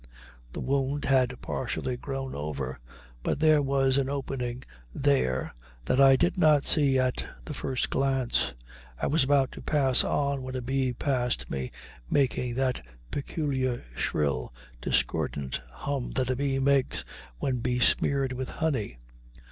The wound had partially grown over, but there was an opening there that I did not see at the first glance. I was about to pass on when a bee passed me making that peculiar shrill, discordant hum that a bee makes when besmeared with honey.